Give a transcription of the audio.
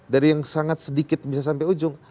dari yang sangat sedikit bisa sampai ujung